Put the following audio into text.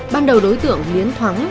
ban đầu đối tượng hiến thoáng